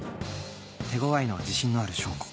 手ごわいのは自信のある証拠